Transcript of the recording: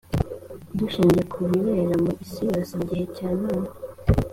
dushingiye ku bibera mu isi yose mu gihe cya none